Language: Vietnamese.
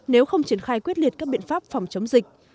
nếu không triển khai quyết liệt các biện pháp phòng chống dịch